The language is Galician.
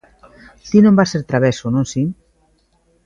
Ti non vas ser traveso, ¿non si?